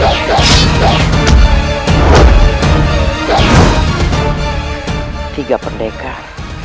dari saling kita berubah